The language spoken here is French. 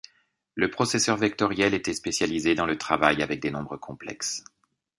Le processeur vectoriel était spécialisé dans le travail avec des nombres complexes.